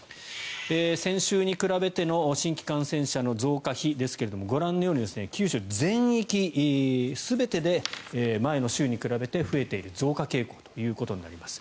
先週に比べての新規感染者の増加比ですがご覧のように九州全域、全てで前の週に比べて増えている増加傾向となります。